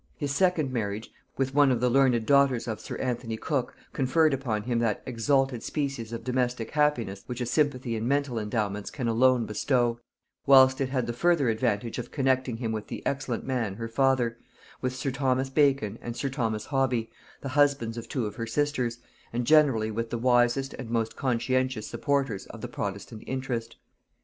His second marriage with one of the learned daughters of sir Anthony Cook conferred upon him that exalted species of domestic happiness which a sympathy in mental endowments can alone bestow; whilst it had the further advantage of connecting him with the excellent man her father, with sir Nicholas Bacon and sir Thomas Hobby, the husbands of two of her sisters, and generally with the wisest and most conscientious supporters of the protestant interest.